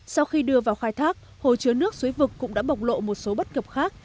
sau khi đưa vào khai thác hồ chứa nước suối vực cũng đã bộc lộ một số bất cập khác